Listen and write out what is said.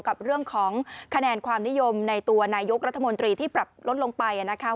กับเรื่องของคะแนนความนิยมในตัวนายกรัฐมนตรีที่ปรับลดลงไปนะคะ